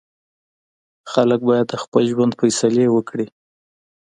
خلک باید د خپل ژوند فیصلې وکړي.